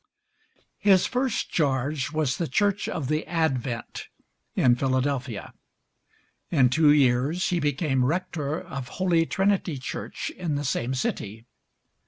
His first charge was the Church of the Advent, in Philadelphia; in two years he became rector of Holy Trinity Church in the same city.